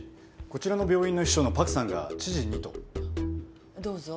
こちらの病院の秘書の朴さんが知事にと。どうぞ。